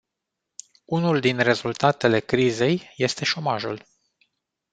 Unul din rezultatele crizei este șomajul.